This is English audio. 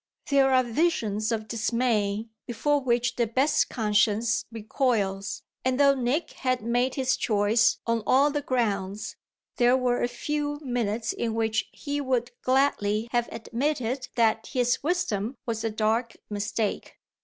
There are visions of dismay before which the best conscience recoils, and though Nick had made his choice on all the grounds there were a few minutes in which he would gladly have admitted that his wisdom was a dark mistake.